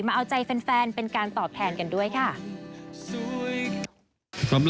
มาเอาใจแฟนเป็นการตอบแทนกันด้วยค่ะ